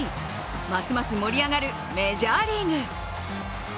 ますます盛り上がるメジャーリーグ。